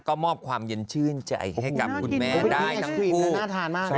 ก็มอบความเย็นชื่นใจให้กับคุณแม่ได้ทั้งคู่